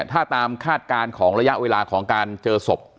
ถ้าตามคาดการณ์ของระยะเวลาของการเจอศพ